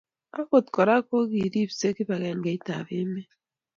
Akot kora, ko ripset ab kibangengeit ab emet